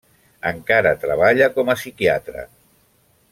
Encara treballa com a psiquiatre.